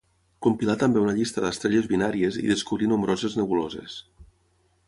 Compilà també una llista d'estrelles binàries i descobrí nombroses nebuloses.